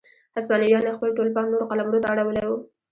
هسپانویانو خپل ټول پام نورو قلمرو ته اړولی و.